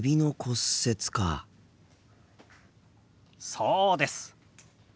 そうです。